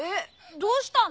どうしたの？